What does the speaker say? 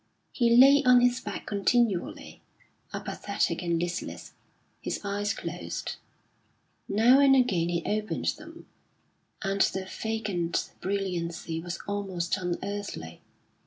He lay on his back continually, apathetic and listless, his eyes closed. Now and again he opened them, and their vacant brilliancy was almost unearthly.